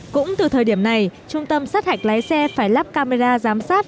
cũng từ thời điểm này trung tâm sát hạch lái xe phải lắp camera giám sát